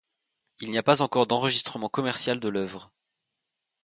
Il n'y a pas encore d'enregistrement commercial de l'œuvre.